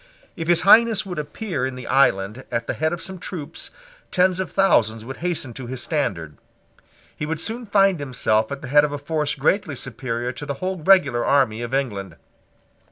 If his Highness would appear in the island at the head of some troops, tens of thousands would hasten to his standard. He would soon find himself at the head of a force greatly superior to the whole regular army of England.